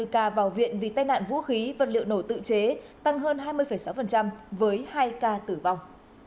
hai mươi ca vào viện vì tai nạn vũ khí vật liệu nổ tự chế tăng hơn hai mươi sáu với hai ca tử vong